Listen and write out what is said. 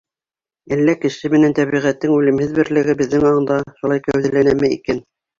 Әллә Кеше менән Тәбиғәттең үлемһеҙ берлеге беҙҙең аңда шулай кәүҙәләнәме икән?